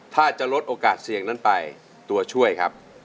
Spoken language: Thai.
ถ้าจะลดโอกาสเสี่ยงนั้นไปตัวช่วยครับ